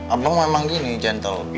abah emang gini gentle